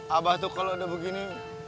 abah tuh kalau udah begini